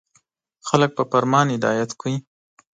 • خلک په فرمان هدایت کړئ.